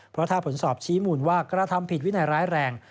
เพราะถ้าผลสอบชี้หมุนว่ากฤทธิ์ผิดวินายร้ายแรง